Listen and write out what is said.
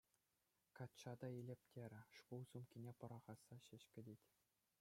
Качча та илӗп терӗ, шкул сумкине пӑрахасса ҫеҫ кӗтет.